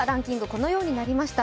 このようになりました。